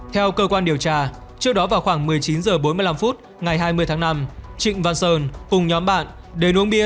theo cơ quan điều tra trước đó vào khoảng một mươi chín h bốn mươi năm ngày hai mươi tháng năm trịnh văn sơn cùng nhóm bạn đến uống bia